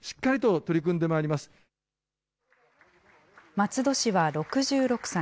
松戸氏は６６歳。